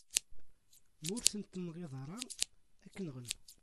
Ma ur tent-tenɣiḍ, ad k-nɣen.